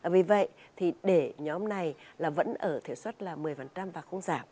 vì vậy thì để nhóm này là vẫn ở thể xuất là một mươi và không giảm